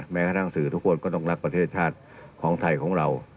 แม้กระทั่งสื่อทุกคนก็ต้องรักประเทศชาติของไทยของเรา